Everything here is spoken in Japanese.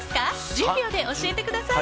１０秒で答えてください。